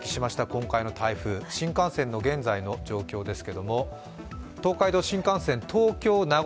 今回の台風、新幹線の現在の状況です。